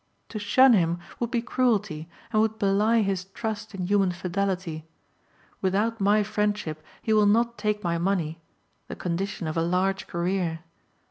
To shun him would be cruelty and would belie his trust in human fidelity. Without my friendship he will not take my money the condition of a large career.